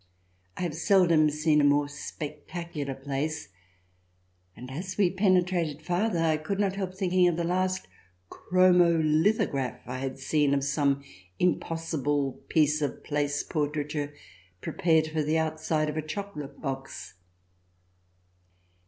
I have seldom seen a more spectacular place, and as we penetrated farther I could not help thinking of the last chromo lithograph I had seen of some impossible piece of place por traiture prepared for the outside of a chocolate box.